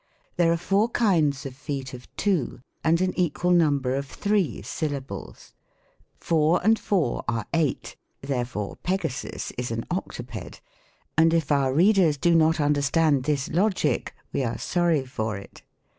There are four kinds of feet of two, and an equal number of three syllables. Four and four are eight : therefore Pegasus is an octoped j and if our readers do not understand this logic, we are sorry for it.